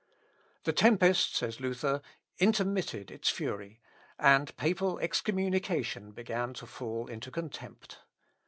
"The tempest," says Luther, "intermitted its fury, and papal excommunication began to fall into contempt.